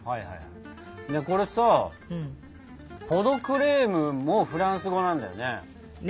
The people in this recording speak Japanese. これさポ・ド・クレームもフランス語なんだよね？